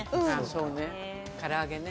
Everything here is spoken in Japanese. そうね唐揚げね。